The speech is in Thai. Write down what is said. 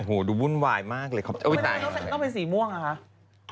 โหดูวุ่นวายมากเลยขอบใจมากต้องไปสีม่วงเหรอคะ